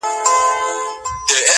چي زه ویښ وم که ویده وم-